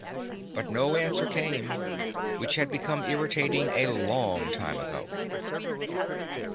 But no answer came, which had become irritating a long time ago.